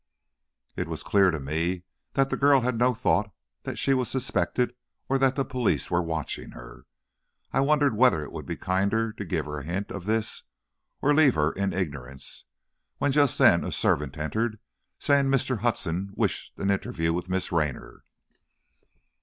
It was clear to me that the girl had no thought that she was suspected, or that the police were watching her. I wondered whether it would be kinder to give her a hint of this or to leave her in ignorance, when just then a servant entered, saying Mr. Hudson wished an interview with Miss Raynor.